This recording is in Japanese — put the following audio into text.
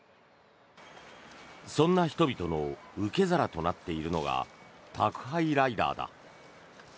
そんな人々の受け皿となっているのが宅配ライダーだ。